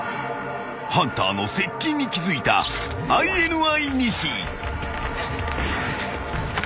［ハンターの接近に気付いたＩＮＩ西］